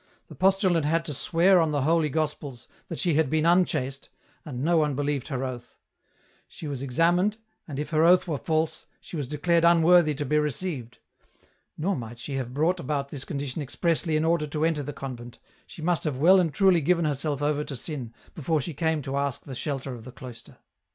The postulant had to swear on the holy Gospels that she had been unchaste, and no one believed her oath ; she was examined, and if her oath were false, she was declared unworthy to be received. Nor might she have brought about this condition expressly in order to enter the convent, she must have well and truly given herself over to sin, before she came to ask the shelter of the cloister.